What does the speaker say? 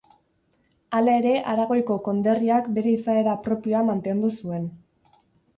Hala ere Aragoiko konderriak bere izaera propioa mantendu zuen.